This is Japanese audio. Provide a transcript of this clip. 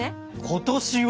今年は？